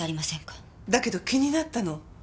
だけど気になったの。